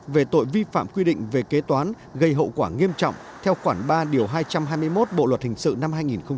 về tội vi phạm quy định về kế toán gây hậu quả nghiêm trọng theo khoảng ba hai trăm hai mươi một bộ luật hình sự năm hai nghìn một mươi năm